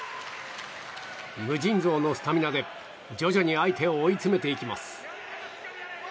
無尽蔵のスタミナで徐々に相手を追い詰めていきます。